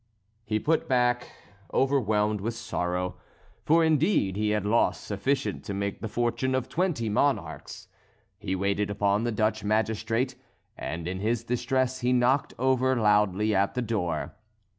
He put back, overwhelmed with sorrow, for indeed he had lost sufficient to make the fortune of twenty monarchs. He waited upon the Dutch magistrate, and in his distress he knocked over loudly at the door.